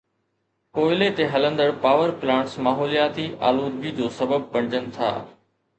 ڪوئلي تي هلندڙ پاور پلانٽس ماحولياتي آلودگي جو سبب بڻجن ٿا